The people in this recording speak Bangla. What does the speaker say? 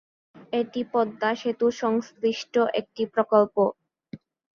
এটি পদ্মা সেতু সংশ্লিষ্ট একটি প্রকল্প।